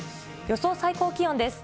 予想最高気温です。